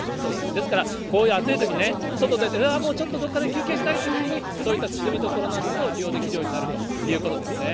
ですからこういう暑いときね、外出て、もうちょっとどこかで休憩したいなんてときに、そういった涼みどころを利用できるようになるということですね。